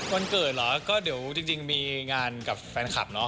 วันเกิดเหรอก็เดี๋ยวจริงมีงานกับแฟนคลับเนาะ